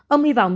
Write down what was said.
ông hy vọng